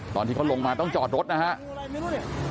ตอนที่เขาลงมาต้องจอดรถนะครับ